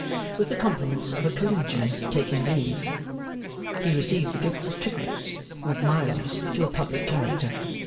'With the compliments of a collegian taking leave.' He received the gifts as tributes, from admirers, to a public character.